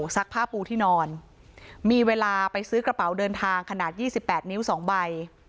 ซักผ้าปูที่นอนมีเวลาไปซื้อกระเป๋าเดินทางขนาด๒๘นิ้ว๒ใบ